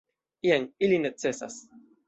Jen, ili necesas.